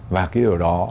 và điều đó